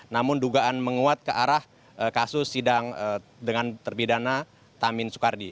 namun dugaan menguat ke arah kasus sidang dengan terpidana tamin soekardi